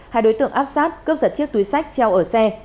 hai đối tượng áp sát cướp giật chiếc túi sách treo ở xe